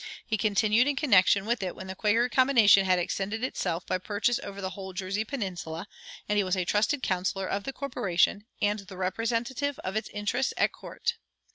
He continued in connection with it when the Quaker combination had extended itself by purchase over the whole Jersey peninsula, and he was a trusted counselor of the corporation, and the representative of its interests at court.